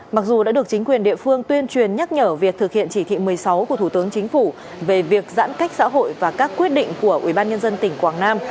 mặc dù đã được chính quyền địa phương tuyên truyền nhắc nhở việc thực hiện chỉ thị một mươi sáu của thủ tướng chính phủ về việc giãn cách xã hội và các quyết định của ubnd tỉnh quảng nam